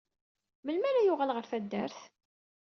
Melmi ara yuɣal ɣer taddart?